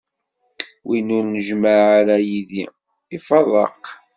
Win ur njemmeɛ ara yid-i, iferreq.